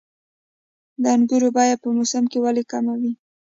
د انګورو بیه په موسم کې ولې کمه وي؟